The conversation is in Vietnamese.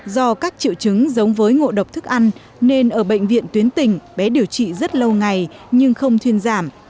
do các triệu chứng giống với ngộ độc thức ăn nên ở bệnh viện tuyến tỉnh bé điều trị rất lâu ngày nhưng không thuyên giảm